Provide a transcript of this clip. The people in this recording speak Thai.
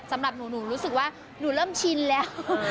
สำหรับหนูหนูรู้สึกว่าหนูเริ่มชินแล้ว